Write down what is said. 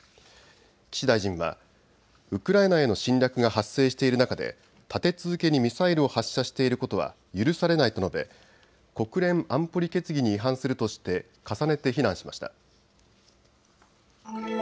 岸大臣はウクライナへの侵略が発生している中で立て続けにミサイルを発射していることは許されないと述べ国連安保理決議に違反するとして重ねて非難しました。